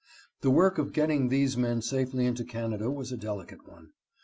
The work of getting these men safely into Canada was a delicate one.